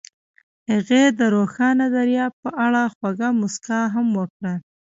هغې د روښانه دریاب په اړه خوږه موسکا هم وکړه.